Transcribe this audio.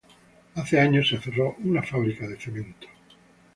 Hace años se cerró una fábrica de cementos.